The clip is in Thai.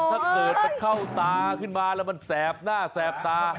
ถ้าเกิดมันเข้าตาขึ้นมาแล้วมันแสบหน้าแสบตา